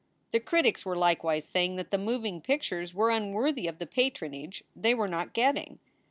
The critics were likewise saying that the moving pictures were unworthy of the patronage they were not getting.